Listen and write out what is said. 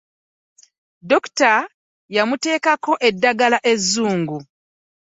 Dokita yamuteekako eddagala ezzungu.